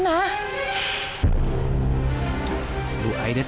alhamdulillah aku tahu